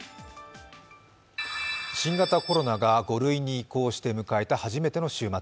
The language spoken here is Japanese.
新型コロナが５類に移行して迎えた初めての週末。